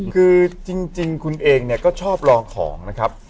คือจริงคุณเองเนี่ยก็ชอบลองของนะครับ